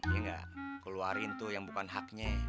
iya gak keluarin tuh yang bukan haknya